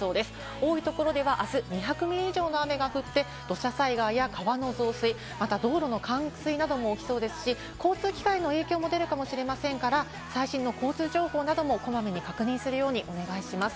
多いところではあす２００ミリ以上の雨が降って、土砂災害や川の増水、また道路の冠水なども起きそうですし、交通機関への影響も出るかもしれませんから、最新の交通情報などもこまめに確認するようにお願いします。